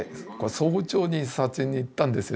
早朝に撮影に行ったんですよ